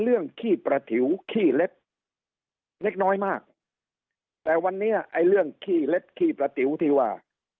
ขี้ประถิวขี้เล็บเล็กน้อยมากแต่วันนี้ไอ้เรื่องขี้เล็บขี้ประติ๋วที่ว่า